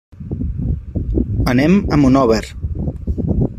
Anem a Monòver.